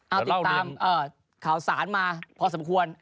เอาติดตามข่าวสารมาพอสมควร